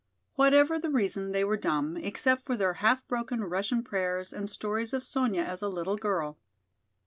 Whatever the reason, they were dumb, except for their half broken Russian prayers and stories of Sonya as a little girl.